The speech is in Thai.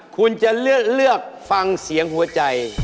คุณจะเลือกฟังเสียงหัวใจ